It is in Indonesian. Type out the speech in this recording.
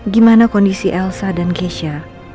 gimana kondisi elsa dan gysha